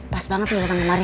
pas banget lu dateng kemari